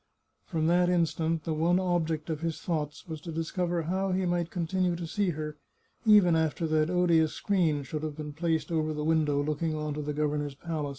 From that instant the one object of his thoughts was to discover how he might continue to see her, even after that odious screen should have been placed over the window looking on to the governor's palace.